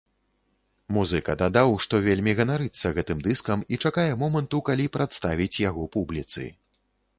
Музыка дадаў, што вельмі ганарыцца гэтым дыскам і чакае моманту, калі прадставіць яго публіцы.